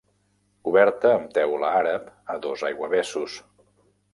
Coberta amb teula àrab a dos aiguavessos.